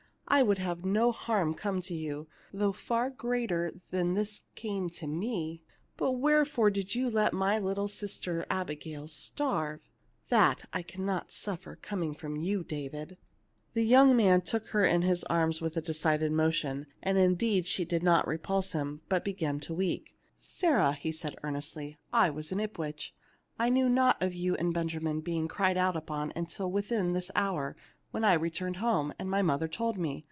I would have no harm come to you, though far greater than this came to me, but wherefore did you let my little sister Abigail starve ? That can I not suffer, coming from you, David." The young man took her in his arms with a de cided motion ; and indeed she did not repulse him, but began to weep. " Sarah/'' said he, earnestly, " I was in Ips wich. I knew naught of you and Benjamin be ing cried out upon until within this hour, when I returned home, and my mother told me.